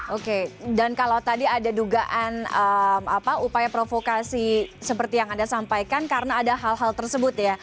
oke dan kalau tadi ada dugaan upaya provokasi seperti yang anda sampaikan karena ada hal hal tersebut ya